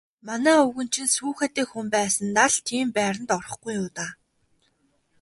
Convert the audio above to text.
Манай өвгөн чинь сүүхээтэй хүн байсандаа л тийм байранд орохгүй юу даа.